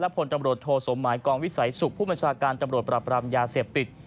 ผลตำรวจโทสมหมายกองวิสัยสุขผู้บัญชาการตำรวจปรับรามยาเสพติด